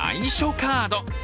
カード。